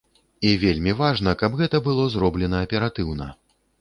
І вельмі важна, каб гэта было зроблена аператыўна.